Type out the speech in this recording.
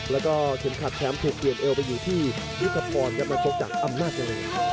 แล้วก็เข็มขัดแชมป์ถูกเปลี่ยนเอวไปอยู่ที่มิสพอร์นกำลังโชคจากอำนาจริงฮุภัพ